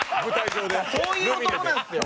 そういう男なんですよ。